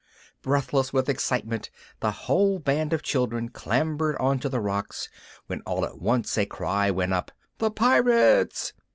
Breathless with excitement, the whole band of children clambered on to the rocks, when all at once a cry went up: "The Pirates!"